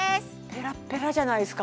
ペラッペラじゃないですか